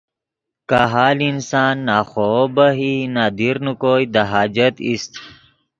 کاہال انسان نہ خو بہہ ای نہ دیر نے کوئے دے حاجت ایست